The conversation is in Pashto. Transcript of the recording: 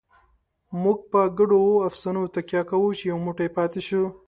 موږ په ګډو افسانو تکیه کوو، چې یو موټی پاتې شو.